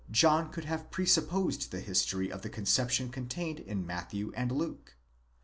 John could have presupposed the history of the conception contained in Matthew and Luke?